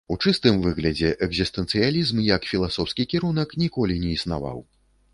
У чыстым выглядзе экзістэнцыялізм як філасофскі кірунак ніколі не існаваў.